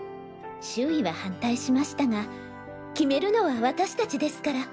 周囲は反対しましたが決めるのは私達ですから。